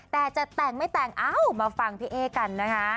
แต่จะแต่งไม่แต่งเอ้ามาฟังพี่เอ๊กันนะคะ